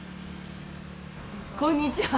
こんにちは。